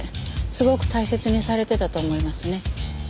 すごく大切にされてたと思いますね。